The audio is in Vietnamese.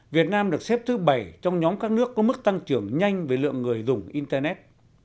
việt nam được xếp thứ bảy trong nhóm các nước có mức tăng trưởng nhanh về lượng người dùng internet